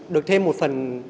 được thêm một phần